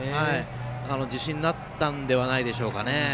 自信になったんではないでしょうか。